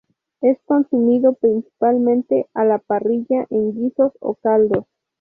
Es consumido principalmente a la parrilla, en guisos o caldos.